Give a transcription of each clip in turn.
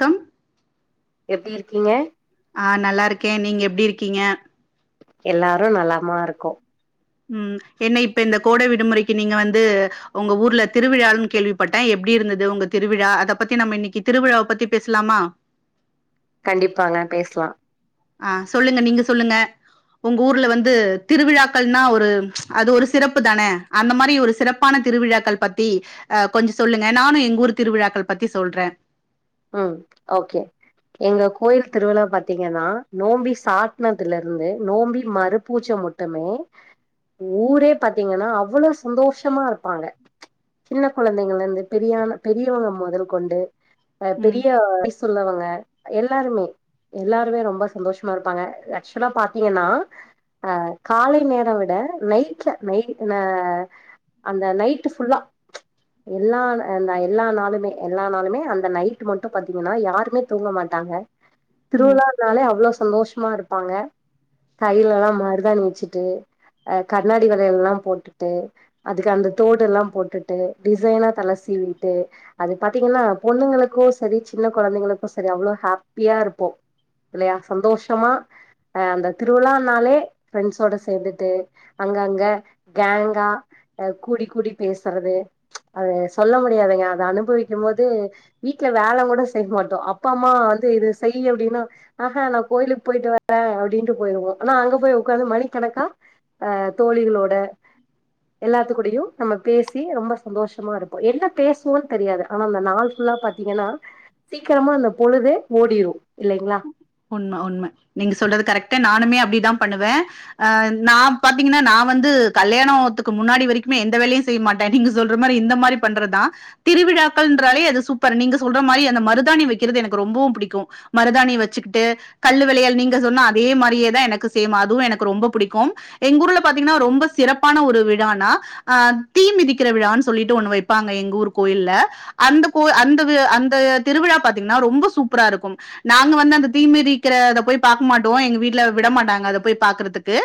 த்தம் எப்படி இருக்கீங்க ஆ நல்லா இருக்கே நீங்க எப்டி இருக்கீங்க எல்லாரு நலமா இருக்கோ ம் என்ன இப்ப இந்த கோட விடுமுறைக்கு நீங்க வந்து உங்க ஊர்ல திருவிழாலன்னு கேள்விப்பட்டே எப்டி இருந்தது உங்க திருவிழா அத பத்தி நாம இன்னைக்கு திருவிழாவ பத்தி பேசலாமா கண்டிப்பாங்க பேசலா அ சொல்லுங்க நீங்க சொல்லுங்க உங்க ஊர்ல வந்து திருவிழாக்கள்னா ஒரு அது ஒரு சிறப்பு தானே அந்த மாரி ஒரு சிறப்பான திருவிழாக்கள் பத்தி அ கொஞ்சோ சொல்லுங்க நானு எங்க ஊர் திருவிழாக்கள் பத்தி சொல்றே ம் ஓகே எங்க கோயில் திருவிழா பாத்தீங்கன்னா நோம்பி சாத்துனதுல இருந்து நோம்பி மறுபூச்சை மட்டுமே ஊரே பாத்தீங்கன்னா அவ்வளோ சந்தோஷமா இருப்பாங்க சின்ன கொழந்தைங்கல இருந்து பெரியாரன பெரியவங்க மொதல் கொண்டு அ ம் பெரிய வயசு உள்ளவங்க எல்லாருமே எல்லாருமே ரொம்ப சந்தோஷமா இருப்பாங்க ஆக்சுவலா பாத்தீங்கன்னா அ காலைல நேர விட நைட்ல நைட் அந்த நைட் ஃபுல்லா எல்லா எல்லா நாளுமே எல்லா நாளுமே அந்த நைட் ட்டு மட்டு பாத்தீங்கன்னா யாருமே தூங்க மாட்டாங்க ம் திருவிழா இருந்தாலே அவ்வளோ சந்தோஷமா இருப்பாங்க கையில எல்லா மறுதாணி வச்சுட்டு அ கண்ணாடி வளையலா எ போட்டுட்டு அதுக்கு அந்த தோடுல்லா போட்டுட்டு டிசைனா தல சீவிட்டு அது பாத்தீங்கன்னா பொண்ணுங்களுக்கு க்ரோ சரி சின்ன கொழந்தைங்களுக்கு சரி அவ்வளவு ஹாப்பியா இருப்போ இல்லையா சந்தோஷமா அ அந்த திருவிழா நாளே ஃப்ரண்ட்ஸோட சேர்ந்துட்டு அங்க அங்க கேங்கா அ கூடி கூடி பேசுறது அது சொல்ல முடியதுங்க அத அனுபவிக்கு போது வீட்டுல வேல கூட செய்ய மாட்டோ அப்பா அம்மா வந்து இத செய் அப்படின்னா ஆஹா நா கோயிலுக்கு போயிட்டு வரே அப்படின்ட்டு போயிருவோம் ஆனா அங்க போய் உ்காந்து மணிக்கணக்காஹ் அ தோழிகளோட எல்லாத்து கூடையு நாம பேசி ரொம்ப சந்தோஷமா இருப்போ என்ன பேசுவோம்ன்னு தெரியாது ஆனா அந்த நாள் ஃபுல்லா பாத் ங்கன்னா சீக்கிரமா அந்த பொழுது ஓடிடு இல்லைங்களா உண்ம உண்ம நீங்க சொல்றது கரெக்ட்டு நானுமே அப்டிதா பண்ணுவே அ நா பாத்தீங்கன்னா நா வந்து கல்யாணத்துக்கு முன்னாடி வரைக்குமே எந்த வேலையு செய்ய மாட்ட நீங்க சொல்ற மாரி இந்த மாரி பண்றதா திருவிழாக்கள்ன்றாலே அது சூப்பர் நீங்க சொல்ற மாரி அந்த மருதாணி வக்கிறது எனக்கு ரொம்பவு பிடிக்கு மருதாணி வச்சு ட்டு கல்லு வளையல் நீங்க சொன்ன அதே மாரியேதா எனக்கு சேம் அதுவு எனக்கு ரொம்ப பிடிக்கு எங்க ஊர்ல பாத்தீங்கனா ரொம்ப சிறப்பான ஒரு விழானா அ தீமிதிக்கிற விழான் சொல்லிட்டு ஒன்னு வைப்பாங்க எங்க ஊர் கோயில்ல அந்த கோ அந்த அந்த திருவிழா பாத்தீங்னா ரொம்ப சூப்பராருக்கும் நாங்க வந்து அந்த தீமிதிக்கிறத போய் பாக் மாட்டோ எங்க வீட்ல விட மாட்டாங்க அத போய் பாக்குறதுக்கு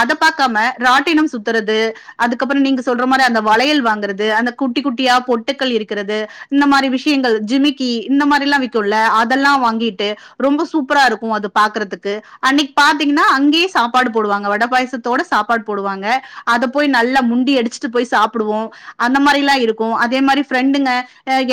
அத பாக்காம ராட்டினம் சுத்துறது அதுக்கப்புற நீங்க சொல்ற மாரி அந்த வளையல் வாங்குறது அந்த குட்டி குட்டியா பொட்டுக்கள் இருக்கிறது இந்த மாரி விஷயங்கள் ஜிமிக்கி இந்த மாரில்லா விக்குல்ல அதெல்லா வாங்கிட்டு ரொம்ப சூப்பரா இருக்கு அத பாக்குறத்துக்கு அன்னைக் பாத்தீங்கனா அங்கயே சாப்பாடு போடுவாங்க வட பாயசத்தோட சாப்பாடு போடுவாங்க அத போய் நல்லா முன்டி அடிச்சுட்டு போய் சாப்புடுவோ அந்த மாரில்லா இருக்கு அதே மாரி ஃப்ரெண்டுங்க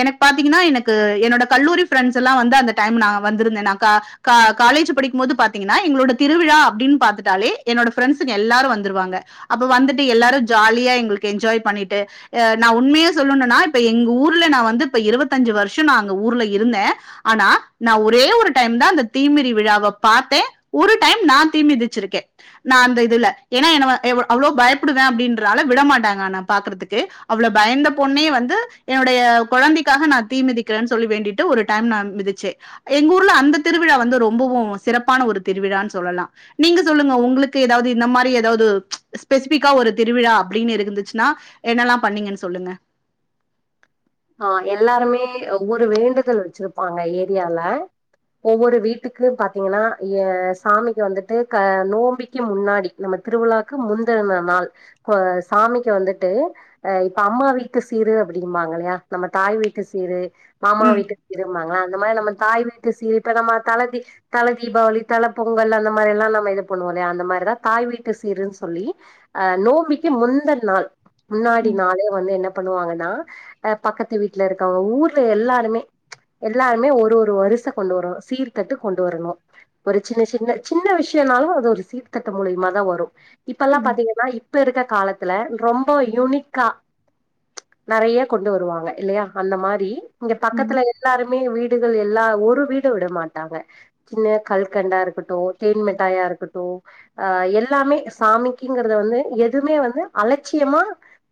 எனக்கு பாத்தீங்கனா எனக்கு என்னோட கல்லூரி ஃப்ரெண்ட்ஸ் எல்லா வந்து அந்த டைம் நா வந்துருந்தேனாக்கா கா காலேஜு படிக்கும்மோது பாத்தீங்கனா எங்களோட திருவிழா அப்டின் பாத்துட்டாலே என்னோட ஃப்ரெண்ட்ஸுங்க எல்லாரு வந்துருவாங்க அப்ப வந்துட்டு எல்லாரு ஜாலியா எங்கள்க்கு என்ஜாய் பண்ணிட்டு அ நா உண்மையா சொல்லனுன்னா இப்ப எங்க ஊர்ல நா வந்து இப்ப இருவத்தஞ்சு வருஷ நா அங்க ஊர்ல இருந்தே ஆனா நா ஒரே ஒரு டைம் தா அந்த தீ மிதி விழாவ பாத்தே ஒரு டைம் நா தீ மிதிச்சுருக்கே நா அந்த இதுல ஏனா என்ன வ எவ அவ்ளோ பயப்புடுவே அப்டின்றனால விட மாட்டாங்க ஆன‌ பாக்கற்துக்கு அவ்ள பயந்த பொண்ணே வந்து என்னுடைய கொழந்தைக்காக நா தீ மிதிக்கிறன் சொல்லி வேண்டிட்டு ஒரு டைம் நா மிதிச்சே எங்கூர்ல அந்த திரு ருவிழா வந்து ரொம்பவு சிறப்பான ஒரு திருவிழான் சொல்லலா நீங்க சொல்லுங்க உங்களுக்கு எதாவ்து இந்த மாரி எதாவ்து ஸ்பெசிஃபிக்கா ஒரு திருவிழா அப்டீன்னு இருந்துச்சுனா என்னெல்லா பண்ணீங்கன் சொல்லுங்க ஆ எல்லாருமே ஒவ்வொரு வேண்டுதல் வச்சிருப்பாங்க ஏரியால ஒவ்வொரு வீட்டுக்கு பாத்தீங்கனா ஏ சாமிக்கு வந்துட்டு க நோம்பிக்கு முன்னாடி நம்ம திருவிழாக்கு முந்துன நாள் ப சாமிக்கு வந்துட்டு அ இப்ப அம்மா வீட்டு சீரு அப்புடிம்பாங்க இல்லயா நம்ம தாய் வீட்டு சீரு மாமா ம். வீட்டு சீரும்பாங்கல அந்த மாரி நம்ம தாய் வீட்டு சீர் இப்ப நம்ம தலதி தல தீபாவளி தல பொங்கல் அந்த மாரி எல்லா நம்ம இது பண்ணுவோல்லயா அந்த மாரிதா தாய் வீட்டு சீருன் சொல்லி அ நோம்பிக்கு முந்தன் நாள் முன்னாடி ம், நாளே வந்து என்ன பண்ணுவாங்கன்னா ஆ பக்கத்து வீட்ல இருக்கவ ஊர்ல எல்லாருமே எல்லாருமே ஒரு ஒரு வருச கொண்டு வரனு சீர்த்தட்டு கொண்டு வரனு ஒரு சின்ன சின்ன சின்ன விஷயன்னாலு அது ஒரு சீர்த்தட்டு மூலியமாதா வரு இப்பல்லா ம், பாத்தீங்கனா இ ப்ப இருக்க காலத்துல ரொம்ப யூனிக்கா நறைய கொண்டு வருவாங் க இல்லயா அந்த மாரி இங்க ம், பக்கத்துல எல்லாரு மே வீடுகள் எல்லா ஒரு வீட விட மாட்டாங்க சின்ன கல்கண்டா இருக்கட்டு தேன் மிட்டாயா இருக்கட்டு அ எல்லாமே சாமிக்குங்கிறத வந்து எதுமே வந்து அலட்சியமா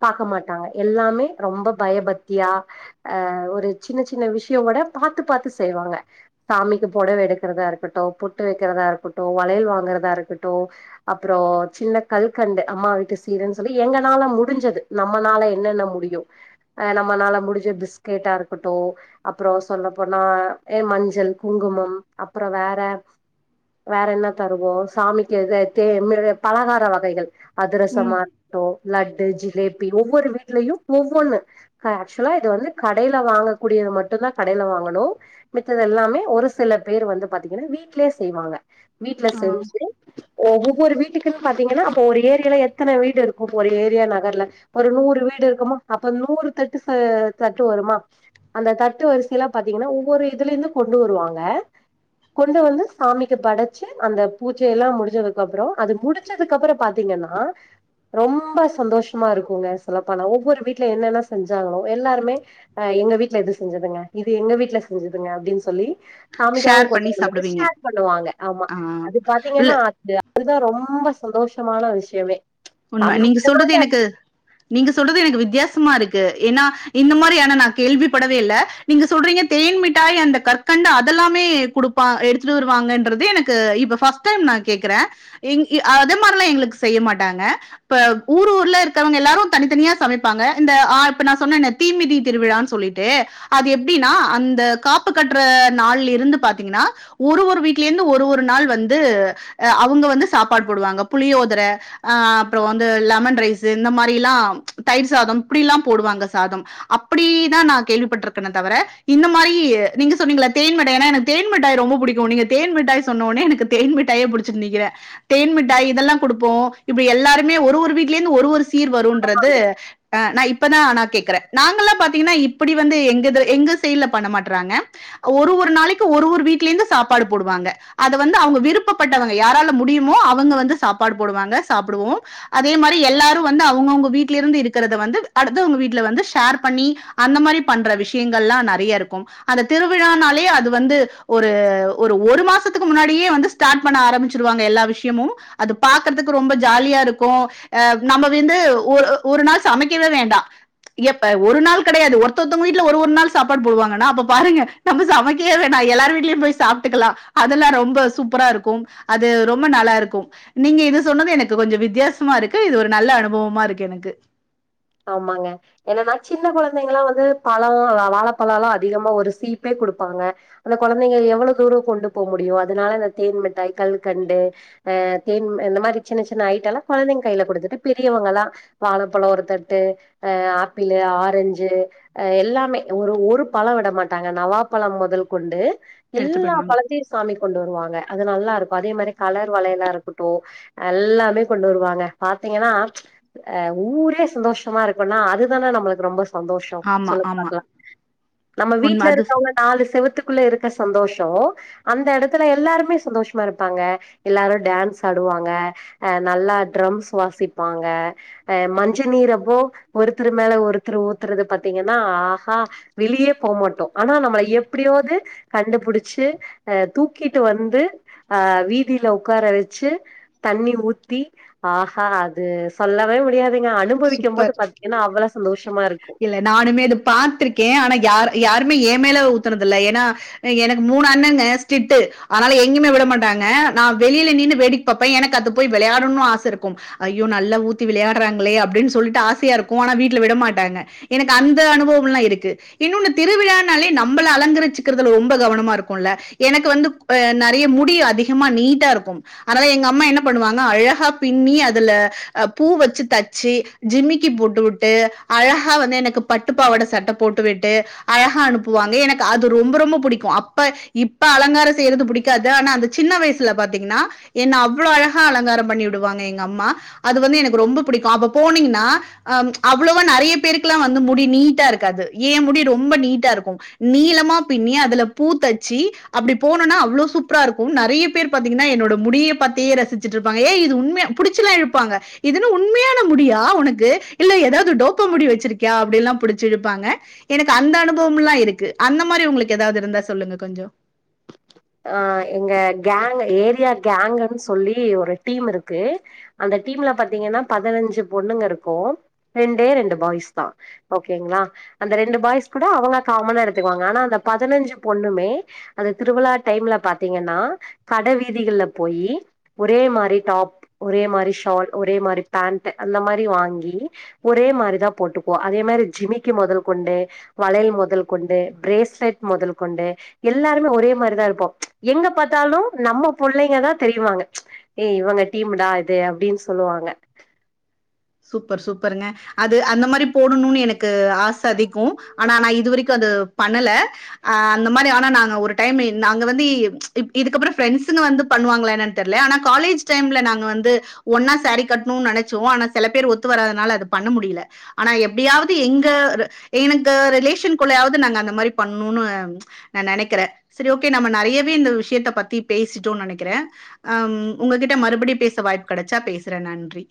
பாக்க மாட்டாங்க எல்லாமே ரொம்ப பயப த்தியா அ ஒரு சின்ன சின்ன விஷ்யோ கூட பாத்து பாத்து செய்வாங்க சாமிக்கு பொடவ எடுக்குறதா இருக்கட்டு பொட்டு வக்கிறதா இருக்கட்டு வளயல் வாங்கறதா இருக்கட்டு அப்றோ சின்ன கல்கண்டு அம்மா வீட்டு சீருன் சொல்லி எங்கனால முடிஞ்சது நம்மனால என்னென்ன முடியு அ நம்மனால முடுஞ்ச பிஸ்கட்டா இருக்கட்டு அப்றோ சொல்லப்போனா எ மஞ்சள் குங்குமம் அப்றொ வேற வேற என்ன தருவோ சாமிக்கு இது தே மிரு பலகார வகைகள் ம். அதுரசமா இருக்கட்டு லட்டு ஜிலேபி ஒவ்வொரு வீட்லயு ஒவ்வொன்னு ஆக்சுவலா இது வந்து கடைல வாங்கக்கூடியது மட்டு தா கடைல வாங்கணு மித்தது எல்லாமே ஒரு சில பேர் வந்து பாத்தீங்கனா வீட்லயே செய்வாங்க வீட்ல ஆ செஞ்சு ஒவ்வொரு வீட்டுக்குன் பாத்தீங்கனா அப்ப ஒரு ஏரியால எத்தன வீடு இருக்கு ஒரு ஏரியா நகர்ல ஒரு நூறு வீடு இருக்குமா அப்ப நூறு தட் டுச வருமா அந்த தட்டு வரிசயெலா பாத்தீங்கனா ஒவ்வொரு இதுலேந்து கொண்டு வருவாங்க கொண்டு வந்து சாமிக்கு படச்சு அந்த பூஜையல்லா முடிஞ்சதுக்கப்றோ அது முடிச்சதுக்கப்ற பாத்தீங்கன்னா ரொம்ப சந்தோஷமா இருக்குங்க சொல்லப்போனா ஒவ்வொரு வீட்ல என்னென்ன செஞ்சாங்களோ எல்லாருமே அ எங்க வீட்ல இது செஞ்சதுங்க இது எங்க வீட்ல செஞ்சதுங்க அப்டின் சொல்லி சாமிக்காக ஷேர் கொண்டு பண்ணி வந்தது சாப்பிடுவீங்க. ஷேர் பண்ணுவாங்க ஆமா ஆ. அது இல்ல பாத்தீங்கன்னா அது அதுதா ரொம்ப சந்தோஷமான விஷ்யமே உண்ம நீங்க சொல்றது எனக்கு நீங்க சொல்றது எனக்கு வித்யாசமா இரு க்கு ஏன்னா இந்த மாரியானா நா கேள்வி படவே இல்ல நீங்க சொல்றீங்க தேன் மிட்டாய் அந்த கற்கண்டு அதெல்லாமே குடுப்பா எடுத்துட்டு வருவாங்கன்றது எனக்கு இப்ப ஃபஸ்ட் டைம் நா கேக்குறே இங் அதே மார்லா எங்களுக் செய்ய மாட்டாங்க இப்ப ஊர் ஊர்ல இருக்கவங்க எல்லாரு தனித்தனியா சமைப்பாங்க இந்த ஆ இப்ப நா சொன்னனே இந்த தீமிதி திருவிழான் சொல்லிட்டு அது எப்டின்னா அந்த காப்பு கட்ற நாள்லிருந்து பாத்தீங்கனா ஒரு ஒரு வீட்லேந்து ஒரு ஒரு நாள் வந்து அவுங்க வந்து சாப்பாடு போடுவாங்க புளியோதர ஆ ப்றோ வந்து லெமன் ரைஸு இந்த மாரில்லா தயிர் சாதம் இப்டில்லா போடுவாங்க சாதம் அப்டீதா நா கேள்விப்பட்ருக்கனே தவிர இந்த மாரி நீங்க சொன்னீங்கள தேன் மிட்டா எனக்கு தேன் மிட்டாய் ரொம்ப புடிக்கு நீங்க தேன் மிட்டாய் சொன்னோனே எனக்கு தேன் மிட்டாயே புடுச்சுட் நிக்கிறே தேன் மிட்டாய் இதெல்லா குடுப்போ இப்டி எல்லாரு மே ஒரு ஒரு வீட்லேந்து ஒரு ஒரு சீர் வருன்றது ஆ நா இப்பதா நா கேக்குற நாங்கல்லா பாத்தீங்கன்னா இப்படி வந்து எங்கத எங்க சயிட்ல பண்ண மாட்றாங்க ஒரு ஒரு நாளைக்கு ஒரு ஒரு வீட்ல இருந்து சாப்பாடு போடுவாங்க அத வந்து அவங்க விருப்பப்பட்டவங்க யாரால முடியுமோ அவங்க வந்து சாப்பாடு போடுவாங்க சாப்பிடுவோ அதே மாரி எல்லாரு வந்து அவங்கவுங்க வீட்டுல இருந்து இருக்கிறத வந்து அடுத்தவங்க வீட்ல வந்து ஷேர் பண்ணி அந்த மாரி பண்ற விஷயங்கள் எல்லா நறய இருக்கும் அந்த திருவிழானாலே அது வந்து ஒரு ஒரு ஒரு மாசத்துக்கு முன்னாடியே வந்து ஸ்டார்ட் பண்ண ஆரம்பிச்சிருவாங்க எல்லா விஷயமு அது பாக்குறதுக்கு ரொம்ப ஜாலியா இருக் கோ அ நம்ம வந்து ஒரு ஒரு நாள் சமைக்கவே வேண்டா எப்ப ஒரு நாள் கிடையாது ஒருத்தத்தங்க வீட்ல ஒரு ஒரு நாள் சாப்பாடு போடுவாங்கன்னா அப்ப பாருங்க நம்ம சமைக்கவே வேணா எல்லார் வீட்லயு போய் சாப்ட்டுக்கலா அதெல்லா ரொம்ப சூப்பரா இருக்கு அது ரொம்ப நல்லா இருக்கு நீங்க இது சொன்னது எனக்கு கொஞ்சோ வித்தியாச சுமா இருக்கு இது ஒரு நல்ல அனுபவமா இருக்கு எனக்கு ஆமாங்க என்னன்னா சின்ன கொழந்தைங்கலா வந்து பழோ வாழப்பலோலா அதிகமா ஒரு சீப்பே கொடுப்பாங்க அந்த கொழந்தைங்க எவ்வளவு தூரோ கொண்டு போக முடியு அதனால இந்த தேன் மிட்டாய் கல்கண்டு அ தேன் இந்த மாதிரி சின்ன சின்ன ஐட்டல்லா கொழந்தைங்க கையில கொடுத்துட்டு பெரியவங்க எல்லா வாழப்பழோ ஒருத்த ட்டு அ ஆப்பிளு ஆரஞ்சு எல்லாமே ஒரு ஒரு பழோ விட மாட்டாங்க நவா பழோ மொதல் கொண்டு எடுத்துட்டு எல்லா போயிடுவாங்க பழத்தயு சாமிக்கு கொண்டு வருவாங்க அது நல்லா இருக்கு அதே மாரி கலர் வளயலா இருக்கட்டோ எல்லாமே கொண்டு வருவாங்க பாத்தீங்கன்னா ஆ ஊரே சந்தோஷ தமா இருக்குன்னா அதுதானே நம்ளுக்கு ரொம்ப சந்தோஷோ ஆமா சொல்லுங்க ஆமா பாக்லா நம்ம வீட்ல உண்ம அது இருக்கவங்க நாலு செவுத்து க்குள்ள இருக்க சந்தோஷோ அந்த எடத்துல எல்லாருமே சந்தோஷமா இருப்பாங்க எல்லாரு டான்ஸ் ஆடுவாங்க நல்லா அ ட்ரம்ஸ் வாசிப்பாங்க அ மஞ்ச நீர ப்போ ஒருத்தர் மேல ஒருத்தர் ஊத்றது பத்தீங்கன்னா ஆஹா வெளியே போமாட்டோம் ஆனா நம்மள எப்டியாவது கண்டுபுடிச்சு அ தூக்கிட்டு வந்து அ வீதில ஒக்கார வச்சு தண்ணி ஊத்தி ஆஹா அது சொல்லவே முடியாது ங்க அனுபவிக் மொத்து சூப்பர் பத்தீங்கன்னா அவ்ளோ சந்தோஷம் இல்ல நானுமே அது பாத்ருக்கே ஆனா யார் யாருமே ஏ மேல ஊத்றதுல்ல ஏனா எனக்கு மூனு அண்ணங்க ஸ்டிட்டு அதனால எங்கேயுமே விட மாட்டாங்க நா வெளியில நின்னு வேடிக்கை பார்ப்பே எனக்கு அங்க போய் விளையாடனுன் ஆச இருக்கு ஐயோ நல்லா ஊத்தி விளையாடுறாங்களே அப்டினு சொல்லிட்டு ஆசையா இருக்கு ஆனா வீட்டுல விடமாட் ட்டாங்க எனக்கு அந்த அனுபவோ எல்லாம் இருக்கு இன்னொன்னு திருவிழாானாலே நம்மளை அலங்கரிச்சக்கிறதுல ரொம்ப கவனமா இருக்கும்ல்ல எனக்கு வந்து ப நறைய முடி அதிகமா நீட்டா இருக்கு அதனால எங்க அம்மா என்ன பண்ணுவாங்க அழகா பின்னி அதுல பூ வச்சு தச்சு ஜிமிக்கி போட்டு விட்டு அழகா வந்து எனக்கு பட்டுப்பாவடைசட்ட போட்டுவிட்டு அழகா அனுப்புவாங்க எனக்கு அது ரொம்ப ரொம்ப பிடிக்கும் அப்ப இப்ப அலங்காரம் செய்றது புடிக்காது ஆனா அந்த சின்ன வயசுல பாத்தீங்கன்னா என்ன அவ்ளோ அழகா அலங்காரோ பண்ணி விடுவாங்க எங்க அம்மா அது வந்து எனக்கு ரொம்ப பிடிக்கும் அப்ப போனீங்கன்னா அ அவ்ளோ ப்ப நெறய பேருக்ல்லா வந்து முடி நீட்டா இருக்காது என் முடி ரொம்ப நீட்டாருக்கும் நீளமா பிண்ணி அதுல பூத்தச்சு அப்டி போனன்னா அவ்ளோ சூப்பராருக்கும் நெறய பேர் பாத்தீங்கன்னா என்னோட முடிய பத்தே ரசிச்சிட்டுருப்பாங்க ஏ இது உண்மையா புடிச்ல்லாம் இருப்பாங்க இதுன்னா உண்மையான முடியா ஒனக்கு இல்ல ஏதாவது டோ ப்பா ப்பா முடி வச்சிருக்கியா அப்படின்ல்லா புடிச்சிழுப்பாங்க எனக்கு அந்த அனுபவம்ல்லா இருக்கு அந்த மாதிரி உங்களுக்கு ஏதாவது இருந்தா சொல்லுங்க கொஞ்சோ அ எங்க கேங் ஏரியா கேங்ன்னு சொல்லி ஒரு டீம்ருக்கு அந்த டீம்ல பாத்தீங்கன்னா பதினஞ்சு பொண்ணுங்க இருக்கு ரெண்டே ரெண்டு பாய்ஸ் தா ஓகேங்ளா அந்த ரெண்டு பாய்ஸ் கூட அவங்க காமனா எடுத்துக்குவாங்க ஆனா அந்த பதினஞ்சு பொண்ணுமே அந்த திருவிழா டைம்ல பாத்தீங்கன்னா கட வீதிகள்ல போயி ஒரே மாரி டாப் ஒரே மாரி ஷால் ஒரே மாரி பேண்ட் அந்த மாரி வாங்கி ஒரே மாரிதா போட்டுப்போ அதே மாரி ஜிமிக்கு மொதல் கொண்டு வளையல் மொதல் கொண்டு ப்ரேஸ்லெட் மொதல் கொண்டு எல்லாருமே ஒரே மாதிரிதாருக் ப்போம் எங்க பாத்தாலு நம்ம புள்ளைங்கதா தெரியிவாங்க ஏ இவங்க டீமுடா இது அப்டின்னு சொல்லுவாங்க சூப்பர் சூப்பர்ங்க அது அந்த மாரி போடணுன்னு எனக்கு ஆச அதிகோ ஆனா நா இதுவரைக்கு அது பண்ணல அ அந்த மாரி ஆனா நாங்க ஒரு டைம் நாங்க வந்து இதுக்கப்பறோ ஃப்ரெண்ட்ஸுங்க வந்து பண்ணுவாங்களா என்னன்னு தெரில ஆனா காலேஜ் டைம்ல நாங்க வந்து ஒன்னா சேரீ கட்டணுன்னு நெனச்சோ ஆனா செல பேர் ஒத்து வராதனால அது பண்ண முடியல ஆனா எப்டியாவது எங்க எனக்கு ரிலேஷன்குள்ளயாவது நாங்க அந்த மாரி பண்ணுன்னு நா நெனக்கிறே சரி ஓகே நம்ம நெறயவே இந்த விஷயத்த பத்தி பேசிட்டோன்னு நெனக்கிறே அம் உங்ககிட்ட மறுபடி பேச வாய்ப்பு கெடச்சா பேசுறே நன்றி